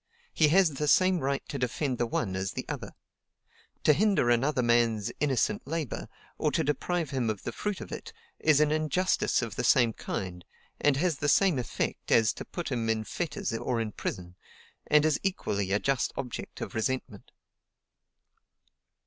He has the same right to defend the one as the other. To hinder another man's innocent labor, or to deprive him of the fruit of it, is an injustice of the same kind, and has the same effect as to put him in fetters or in prison, and is equally a just object of resentment."